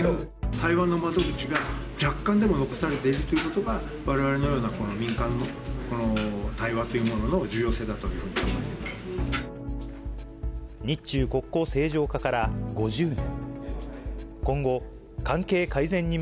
対話の窓口が、若干でも残されているということが、われわれのようなこの民間のこの対話というものの重要性だという日中国交正常化から５０年。